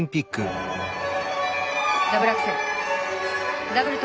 ダブルアクセル。